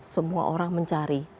semua orang mencari